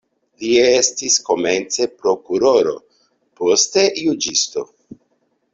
Li estis komence prokuroro, poste juĝisto.